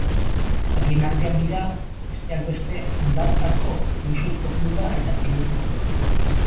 Horien artean dira, besteak beste, hondartzako luxuzko kluba eta kirol-portua.